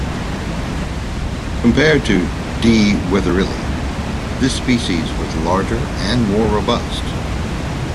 Compared to "D. wetherilli", this species was larger and more robust.